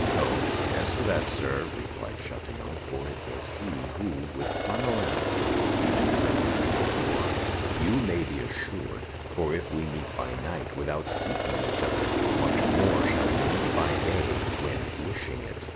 "Oh, as to that, sir," replied Chatillon (for it was he who, with Flamarens, was leaving the Duc de Beaufort), "you may be assured; for if we meet by night without seeking each other, much more shall we meet by day when wishing it."